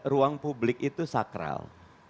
ruang publik itu sakral